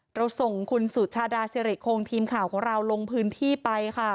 เราส่งคุณสุชาดาสิริคงทีมข่าวของเราลงพื้นที่ไปค่ะ